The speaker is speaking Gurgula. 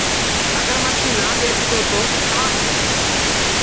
اگر مڇي نآ ٻيچدو تو ڪآ هوندو